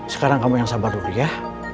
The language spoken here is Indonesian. sekarang kamu yang sabar dulu ya